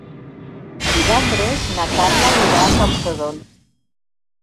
Divendres na Carla irà a Camprodon.